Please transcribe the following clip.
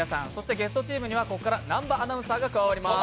ゲストチームにはここから南波アナウンサーが加わります。